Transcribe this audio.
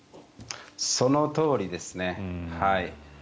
そのとおりですね。